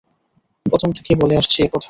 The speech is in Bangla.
প্রথম থেকেই বলে আসছি এ কথা।